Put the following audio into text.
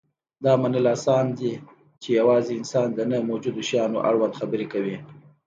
دا منل اسان دي، چې یواځې انسان د نه موجودو شیانو اړوند خبرې کوي.